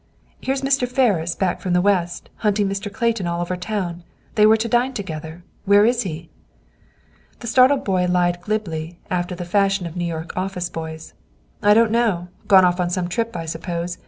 "Here's Mr. Ferris, back from the West, hunting Mr. Clayton all over town. They were to dine together. Where is he?" The startled boy lied glibly, after the fashion of New York office boys. "I don't know. Gone off on some trip, I suppose.